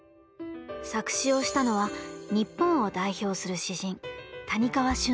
作詞をしたのは日本を代表する詩人谷川俊太郎さんです。